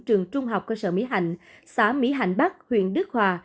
trường trung học cơ sở mỹ hạnh xã mỹ hạnh bắc huyện đức hòa